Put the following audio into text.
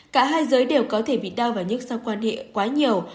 cả hai giới đều có thể bị đau và nhức sau quan hệ quá nhiều